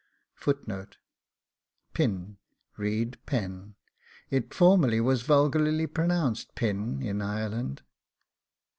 ' PIN, read PEN. It formerly was vulgarly pronounced PIN in Ireland.